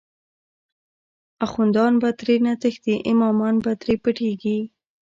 آخوندان به ترینه تښتی، امامان به تری پټیږی